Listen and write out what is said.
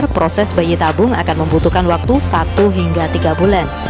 proses bayi tabung akan membutuhkan waktu satu hingga tiga bulan